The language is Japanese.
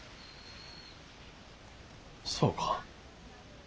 そうか。